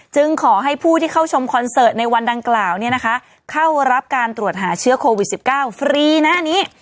ขอให้ผู้ที่เข้าชมคอนเสิร์ตในวันดังกล่าวเข้ารับการตรวจหาเชื้อโควิด๑๙ฟรีนะอันนี้